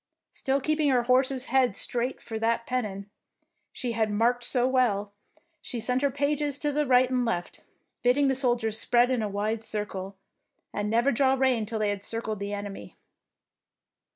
Still keeping her horse's head straight for that pen non she had marked so well, she sent her pages to the right and left, bidding the soldiers spread in a wide circle, and never draw rein till they had circled the enemy.